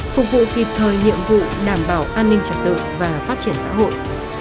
phục vụ kịp thời nhiệm vụ đảm bảo an ninh trật tự và phát triển xã hội